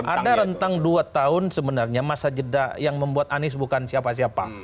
ada rentang dua tahun sebenarnya masa jeda yang membuat anies bukan siapa siapa